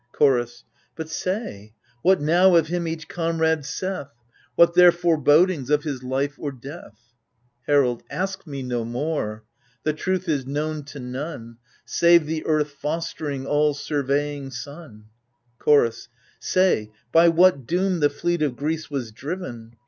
Chorus But say, what now of him each comrade saith ? What their forebodings, of his life or death ? Herald Ask me no more : the truth is known to none. Save the earth fostering, all surveying Sun, Chorus Say, by what doom the fleet of Greece was driven